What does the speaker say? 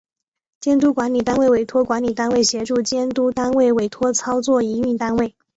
监督管理单位委托管理单位协助监督单位委托操作营运单位